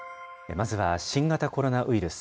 まずは新型コロナウイルス。